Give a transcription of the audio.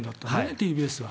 ＴＢＳは。